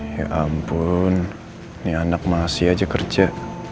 ya ampun ini anak masih aja kerja